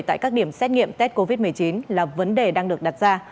tại các điểm xét nghiệm tết covid một mươi chín là vấn đề đang được đặt ra